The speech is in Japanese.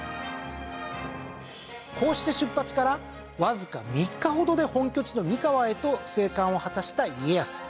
こうして出発からわずか３日ほどで本拠地の三河へと生還を果たした家康。